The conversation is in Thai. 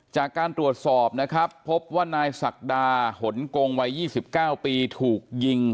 จากการตรวจสอบนะครับพบว่านายศักดาหนกงวัย๒๙ปีถูกยิง